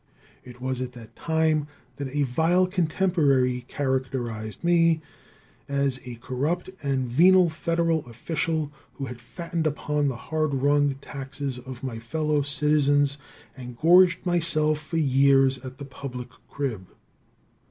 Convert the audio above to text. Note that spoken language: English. It was at that time that a vile contemporary characterized me as "a corrupt and venal Federal official who had fattened upon the hard wrung taxes of my fellow citizens and gorged myself for years at the public crib."